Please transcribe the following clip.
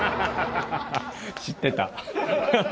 知ってた。